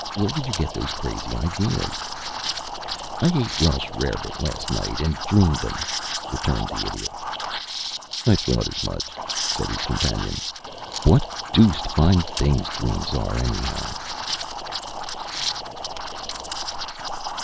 Where did you get those crazy ideas?" "I ate a Welsh rarebit last night, and dreamed 'em," returned the Idiot. "I thought as much," said his companion. "What deuced fine things dreams are, anyhow!"